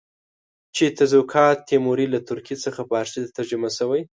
چې تزوکات تیموري له ترکي څخه فارسي ته ترجمه شوی.